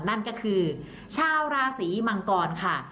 นั่นก็คือชาวราศีมังกรค่ะ